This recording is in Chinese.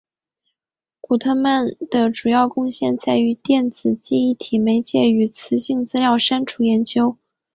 古特曼的主要贡献在于电子记忆体媒介与磁性资料删除研究。